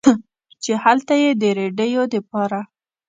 چې هلته ئې د رېډيو دپاره